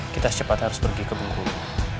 kita secepatnya harus pergi ke bungku lu